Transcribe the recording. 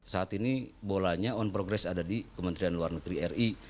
saat ini bolanya on progress ada di kementerian luar negeri ri